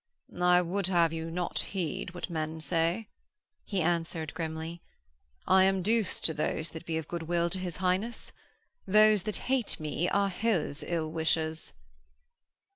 'I would have you not heed what men say,' he answered, grimly. 'I am douce to those that be of good will to his Highness. Those that hate me are his ill wishers.'